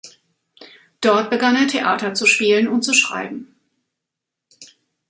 Dort begann er Theater zu spielen und zu schreiben.